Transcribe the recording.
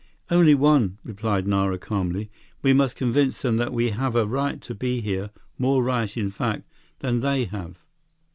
"Only one," replied Nara calmly. "We must convince them that we have a right to be here, more right, in fact, than they have."